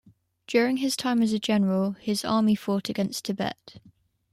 During his time as a general, his army fought against Tibet.